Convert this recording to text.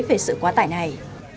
về sự quá tải này